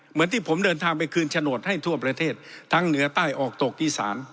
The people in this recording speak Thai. เหมือนที่ผมเดินทางไปคืนโฉนดให้ทั่วประเทศทั้งเหนือใต้ออกตกอีสาน